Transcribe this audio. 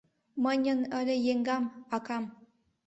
Мыньын ыле еҥгам, акам